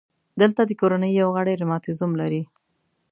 دلته د کورنۍ یو غړی رماتیزم لري.